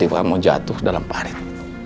tiba tiba mau jatuh dalam parit